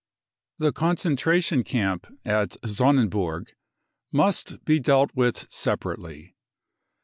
The concentration camp at Sonnenburg must be dealt with separately.